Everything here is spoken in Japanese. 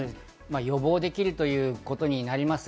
予防できるということになります。